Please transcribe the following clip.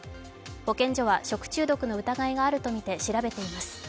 保健所は食中毒の疑いがあるとみて調べています。